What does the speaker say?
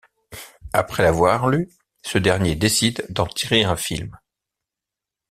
Après l'avoir lu, ce dernier décide d'en tirer un film.